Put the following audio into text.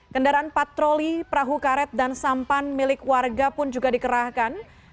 kendaraan patroli perahu karet dan sampan milik warga pun juga dikerahkan